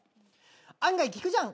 「案外効くじゃん！